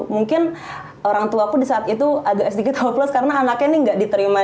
mungkin orang tuaku disaat itu agak sedikit hopeless karena anaknya nih nggak diterima deh ya